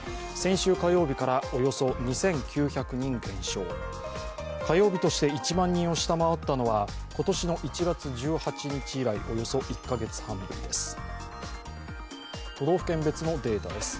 先週火曜からおよそ２９００人減少、火曜日として１万人を下回ったのは今年の１月１８日以来、およそ１カ月半ぶりです。